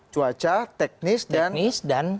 cuaca teknis dan manusia